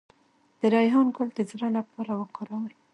د ریحان ګل د زړه لپاره وکاروئ